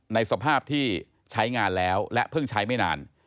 ในสภาพที่ใช้งานแล้วและเพิ่งใช้ไม่นาน